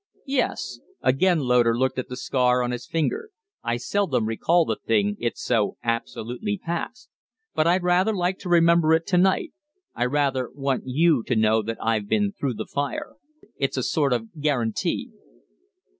"Yes." Again Loder looked at the scar on his finger. "I seldom recall the thing, it's so absolutely past. But I rather like to remember it to night. I rather want you to know that I've been through the fire. It's a sort of guarantee."